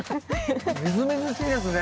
みずみずしいですね